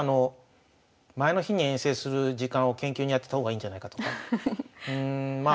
前の日に遠征する時間を研究に充てた方がいいんじゃないかとかまあ